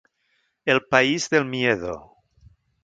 ‘El país del miedo’.